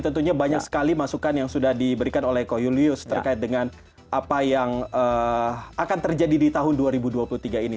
tentunya banyak sekali masukan yang sudah diberikan oleh ko julius terkait dengan apa yang akan terjadi di tahun dua ribu dua puluh tiga ini